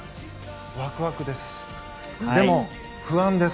ワクワクです。